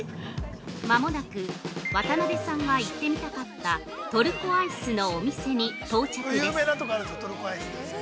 ◆間もなく渡辺さんが行ってみたかったトルコアイスのお店に到着です。